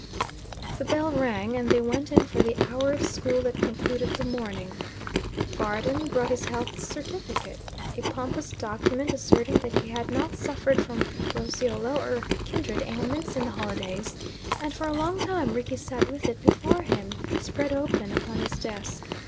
The bell rang, and they went in for the hour of school that concluded the morning. Varden brought his health certificate a pompous document asserting that he had not suffered from roseola or kindred ailments in the holidays and for a long time Rickie sat with it before him, spread open upon his desk.